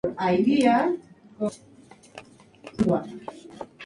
Prueba de ello son los murales de Conrado Domínguez.